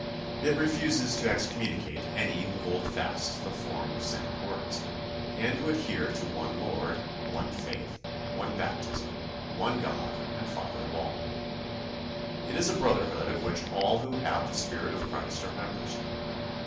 It refuses to excommunicate any who hold fast the form of sound words, and who adhere to one Lord, one faith, one baptism, one God and Father of all. It is a brotherhood of which all who have the spirit of Christ are members.